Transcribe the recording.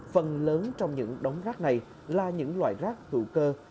phần lớn trong những đống rác này là những loại rác thụ cơ rác tài nguyên